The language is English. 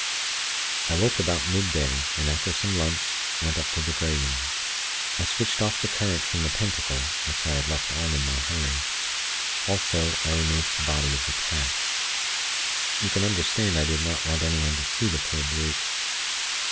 "I woke about midday, and after some lunch, went up to the Grey Room. I switched off the current from the Pentacle, which I had left on in my hurry; also, I removed the body of the cat. You can understand I did not want anyone to see the poor brute.